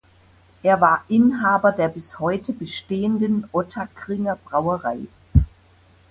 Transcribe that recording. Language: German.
Er war Inhaber der bis heute bestehenden Ottakringer Brauerei.